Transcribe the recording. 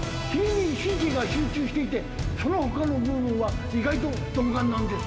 ひげに神経が集中していてその他の部分は意外と鈍感なんです。